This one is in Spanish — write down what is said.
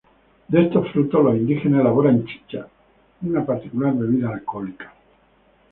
De estos frutos, los indígenas elaboraban chicha, una particular bebida alcohólica.